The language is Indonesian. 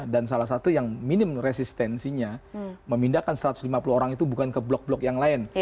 dan salah satu yang minim resistensinya memindahkan satu ratus lima puluh orang itu bukan ke blok blok yang lain